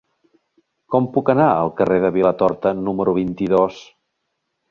Com puc anar al carrer de Vilatorta número vint-i-dos?